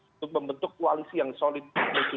untuk membentuk koalisi yang solid di dua ribu dua puluh empat